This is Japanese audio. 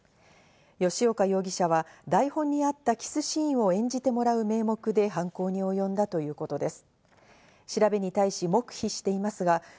吉岡容疑者は台本にあったキスシーンを演じてもらう名目で犯行にお天気です。